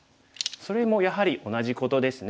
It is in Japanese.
それもやはり同じことですね。